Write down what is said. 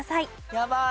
やばい！